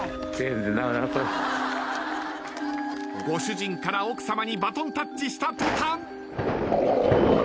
ご主人から奥さまにバトンタッチした途端。